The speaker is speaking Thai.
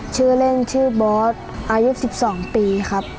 ชื่อเล่นชื่อบอสอายุ๑๒ปีครับ